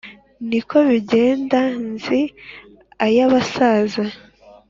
ni ko bigenda nzi ay'abasaza.